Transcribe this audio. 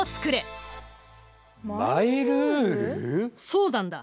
そうなんだ。